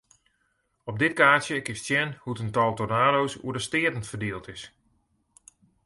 Op dit kaartsje kinst sjen hoe't it tal tornado's oer de steaten ferdield is.